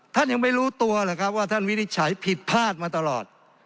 ยังไม่รู้ตัวหรือครับว่าท่านวินิจฉัยผิดพลาดมาตลอด